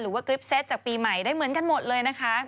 หรือว่ากริฟท์เซตจากปีใหม่ได้เหมือนกันหมดเลยนะคะ